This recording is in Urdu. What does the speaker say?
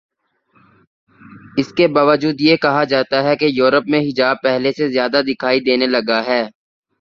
اس کے باوجود یہ کہا جاتاہے کہ یورپ میں حجاب پہلے سے زیادہ دکھائی دینے لگا ہے۔